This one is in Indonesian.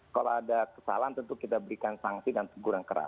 kalau ada kesalahan tentu kita berikan sanksi dan teguran keras